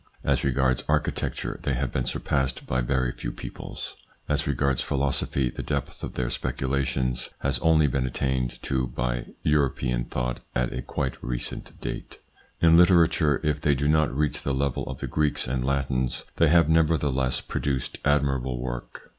As regards architecture they have been surpassed by very few peoples. As regards philosophy the depth of their speculations has only been attained to by European thought at a quite recent date. In litera ture, if they do not reach the level of the Greeks and Latins, they have nevertheless produced ad mirable work.